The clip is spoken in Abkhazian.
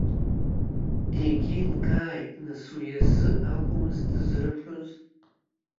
Иагьилгааит, нас, уи азы акәмыз дызрыҳәоз.